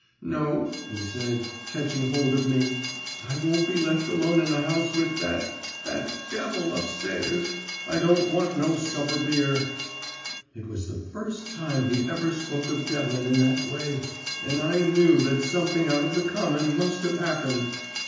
"'No,' he said, ketching hold of me. 'I won't be left alone in the house with that that devil up stairs! I don't want no supper beer.' "It was the first time he'd ever spoke of Devlin in that way, and I knew that something out of the common must have happened.